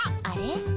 あれ？